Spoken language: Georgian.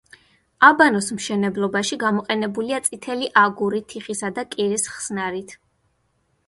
აბანოს მშენებლობაში გამოყენებულია წითელი აგური თიხისა და კირის ხსნარით.